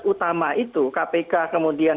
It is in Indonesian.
utama itu kpk kemudian